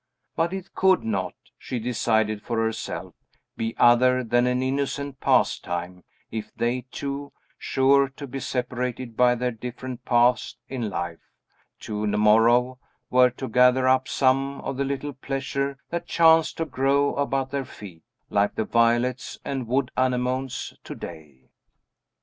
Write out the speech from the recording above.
But it could not, she decided for herself, be other than an innocent pastime, if they two sure to be separated by their different paths in life, to morrow were to gather up some of the little pleasures that chanced to grow about their feet, like the violets and wood anemones, to day.